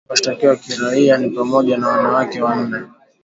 Washtakiwa wa kiraia ni pamoja na wanawake wanne.